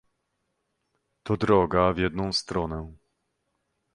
To droga w jedną stronę